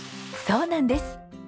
そうなんです。